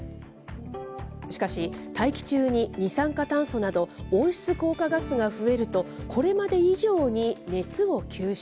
しかし、大気中に二酸化炭素など、温室効果ガスが増えると、これまで以上に熱を吸収。